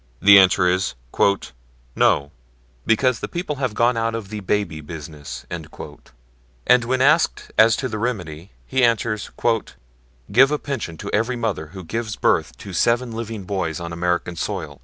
the answer is: "No; because the people have gone out of the baby business"; and when asked as to the remedy, he answers, "Give a pension to every mother who gives birth to seven living boys on American soil."